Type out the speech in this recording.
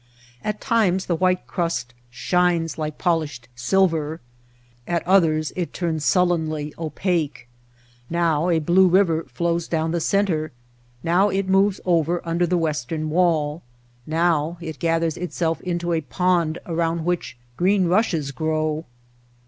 At times the white crust shines like polished silver, at others it turns sullenly opaque. Now a blue river flows down the center — now it moves over under the western wall — now it gathers itself into a pond around which green rushes grow.